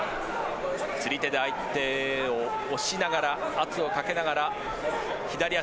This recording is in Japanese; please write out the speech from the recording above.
つり手で相手を押しながら、圧をかけながら、左足。